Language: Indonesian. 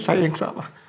saya yang salah